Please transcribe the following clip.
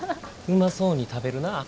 うまそうに食べるなぁ。